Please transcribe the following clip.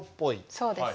そうです。